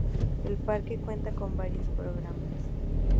El parque cuenta con varios programas.